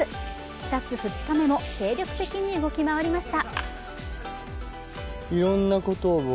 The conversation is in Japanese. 視察２日目も精力的に動き回りました。